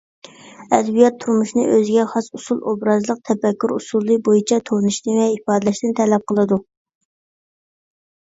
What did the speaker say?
ئەدەبىيات تۇرمۇشنى ئۆزىگە خاس ئۇسۇل – ئوبرازلىق تەپەككۇر ئۇسۇلى بويىچە تونۇشنى ۋە ئىپادىلەشنى تەلەپ قىلىدۇ.